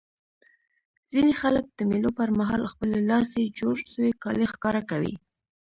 ځيني خلک د مېلو پر مهال خپلي لاسي جوړ سوي کالي ښکاره کوي.